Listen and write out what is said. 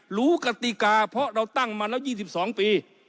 กติกาเพราะเราตั้งมาแล้ว๒๒ปี